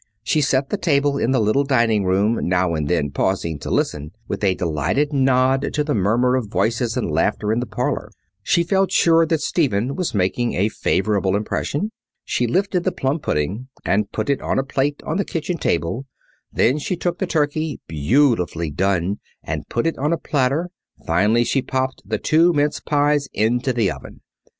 She set the table in the little dining room, now and then pausing to listen with a delighted nod to the murmur of voices and laughter in the parlour. She felt sure that Stephen was making a favourable impression. She lifted the plum pudding and put it on a plate on the kitchen table; then she took out the turkey, beautifully done, and put it on a platter; finally, she popped the two mince pies into the oven.